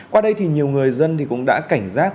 qua đây thì nhiều người dân cũng đã cảnh giác